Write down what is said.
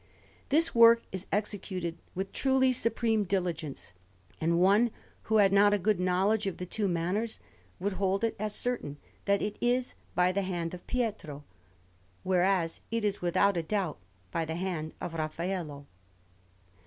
This work is executed with truly supreme diligence; and one who had not a good knowledge of the two manners, would hold it as certain that it is by the hand of Pietro, whereas it is without a doubt by the hand of Raffaello.